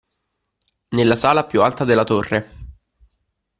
Nella sala più alta della torre.